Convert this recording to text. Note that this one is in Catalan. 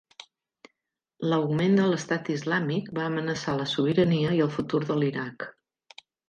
L'augment de l'Estat islàmic va amenaçar la sobirania i el futur de l'Iraq.